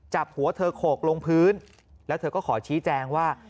จับหัวเธอโขกลงพื้นแล้วเธอก็ขอชี้แจงว่า